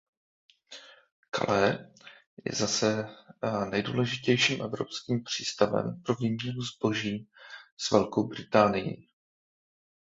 Calais je zase nejdůležitějším evropským přístavem pro výměnu zboží s Velkou Británií.